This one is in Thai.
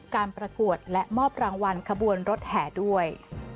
ประกวดและมอบรางวัลขบวนรถแห่ด้วย